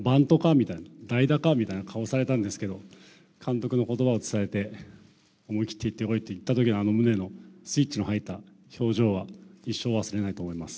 みたいな、代打かみたいな顔されたんですけど、監督のことばを伝えて、思い切って行ってこいと言ったときの、あの宗のスイッチの入った表情は、一生忘れないと思います。